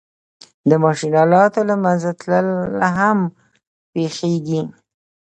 د ماشین آلاتو له منځه تلل هم پېښېږي